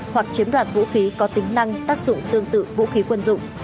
hoặc chiếm đoạt vũ khí có tính năng tác dụng tương tự vũ khí quân dụng